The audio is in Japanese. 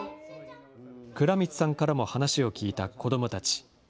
藏滿さんからも話を聞いた子どもたち。